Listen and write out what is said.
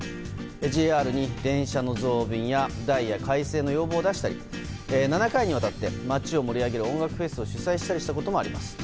ＪＲに電車の増便やダイヤ改正の要望を出したり７回にわたって町を盛り上げる音楽フェスを主催したりしたこともあります。